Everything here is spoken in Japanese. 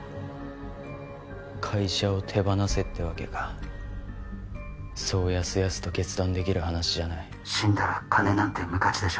会社を手放せってわけかそうやすやすと決断できる話じゃない死んだら金なんて無価値でしょ？